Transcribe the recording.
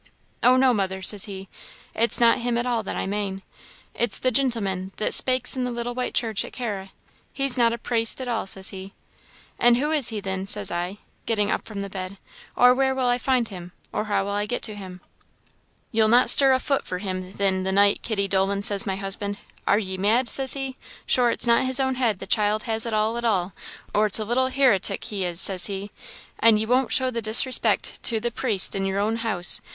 'Oh no, mother,' says he, 'it's not him at all that I mane it's the gintleman that spakes in the little white church at Carra he's not a praist at all,' says he. 'An' who is he thin?' says I, getting up from the bed, 'or where will I find him, or how will I get to him?' 'Ye'll not stir a fut for him, thin, the night, Kitty Dolan,' says my husband 'are ye mad,' says he; 'sure it's not his own head the child has at all at all, or it's a little hiritic he is,' says he; 'an' ye won't show the disrespect to the praist in yer own house.'